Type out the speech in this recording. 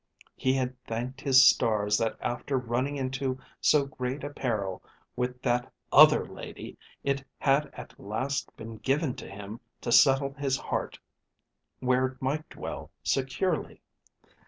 He had thanked his stars that after running into so great a peril with that other lady it had at last been given to him to settle his heart where it might dwell securely.